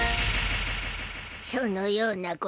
そのようなこと。